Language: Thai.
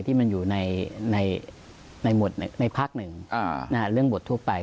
ที่มันอยู่ในหมวดในภาคหนึ่งเรื่องบททั่วไป